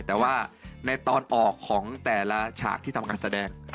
แต่ว่าในตอนออกของแต่ละฉากที่ทำการแสดง